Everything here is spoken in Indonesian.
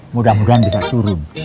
mudah mudahan bisa turun